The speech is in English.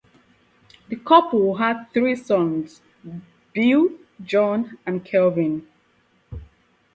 The couple had three sons, Bill, John, and Kevin.